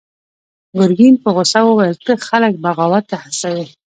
ګرګين په غوسه وويل: ته خلک بغاوت ته هڅوې!